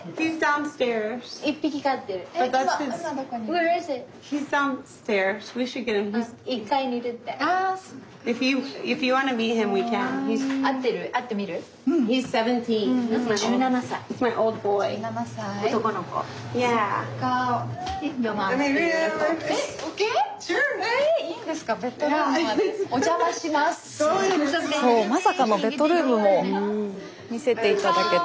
スタジオそうまさかのベッドルームも見せて頂けて。